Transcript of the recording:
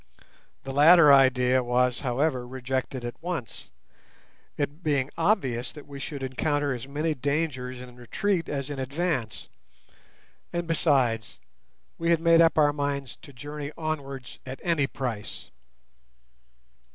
The latter idea was, however, rejected at once, it being obvious that we should encounter as many dangers in retreat as in advance; and, besides, we had made up our minds to journey onwards at any price.